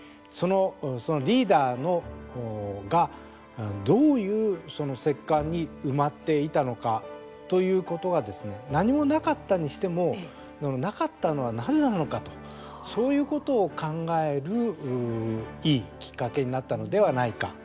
そのリーダーがどういう石棺に埋まっていたのかということがですね何もなかったにしてもなかったのは、なぜなのかとそういうことを考えるいいきっかけになったのではないか。